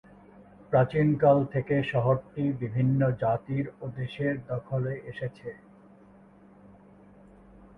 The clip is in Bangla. প্রাচীনকাল থেকে শহরটি বিভিন্ন জাতির ও দেশের দখলে এসেছে।